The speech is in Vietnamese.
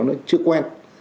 nó chưa quen